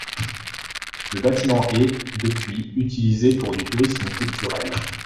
Le bâtiment est, depuis, utilisé pour du tourisme culturel.